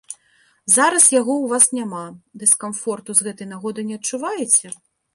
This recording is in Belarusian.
Зараз яго ў вас няма, дыскамфорту з гэтай нагоды не адчуваеце?